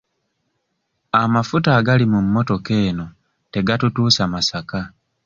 Amafuta agali mu mmotoka eno tegatutuusa Masaka.